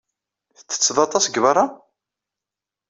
Tettetteḍ aṭas deg beṛṛa?